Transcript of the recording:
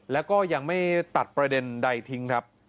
แล้วก็ยังไม่ตัดประเด็นใดทิ้งครับ